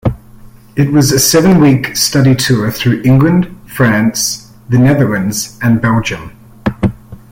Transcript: It was a seven-week study tour through England, France, the Netherlands and Belgium.